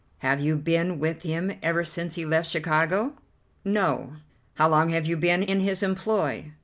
Have you been with him ever since he left Chicago?" "No." "How long have you been in his employ?"